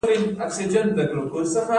ایا زه باید د غاښونو کریم وکاروم؟